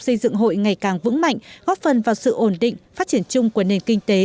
xây dựng hội ngày càng vững mạnh góp phần vào sự ổn định phát triển chung của nền kinh tế